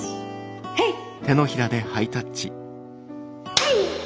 はい！